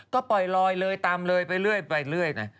ก็ปล่อยลอยเลยตามเลยไปเรื่อยนะ